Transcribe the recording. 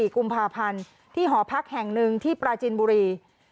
๔กุมภาพันธ์ที่หอพักแห่งหนึ่งที่ปราจินบุรี